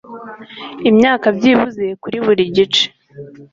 Imyaka byibuze kuri buri gice